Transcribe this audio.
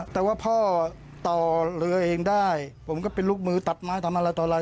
แต่ว่าพ่อต่อเรือเองได้ผมก็เป็นลูกมือตัดไม้ทำอะไรต่ออะไร